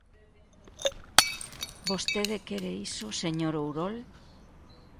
¿Vostede quere iso, señor Ourol?